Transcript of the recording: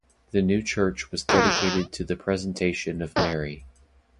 The new church was dedicated to the Presentation of Mary.